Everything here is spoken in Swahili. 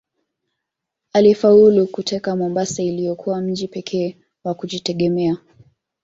Alifaulu kuteka Mombasa iliyokuwa mji pekee wa kujitegemea